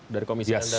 dari komisi tandar